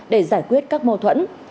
để giải quyết các mâu thuẫn